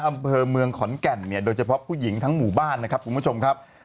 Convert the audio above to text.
อำเภอเมืองขอนแก่นเนี่ยโดยเฉพาะผู้หญิงทั้งหมู่บ้านนะครับคุณผู้ชมครับ